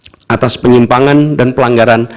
dan kami berterima kasih kepada penyimpangan dan pelanggaran